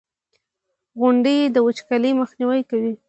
• غونډۍ د وچکالۍ مخنیوی کوي.